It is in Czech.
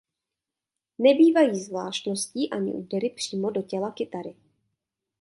Nebývají zvláštností ani údery přímo do těla kytary.